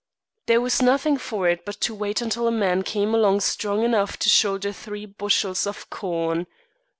There was nothing for it but to wait until a man came along strong enough to shoulder three bushels of corn.